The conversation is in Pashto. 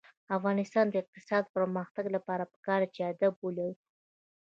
د افغانستان د اقتصادي پرمختګ لپاره پکار ده چې ادب ولرو.